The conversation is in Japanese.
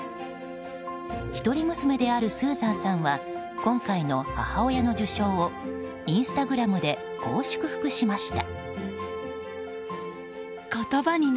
一人娘であるスーザンさんは今回の母親の受賞をインスタグラムでこう祝福しました。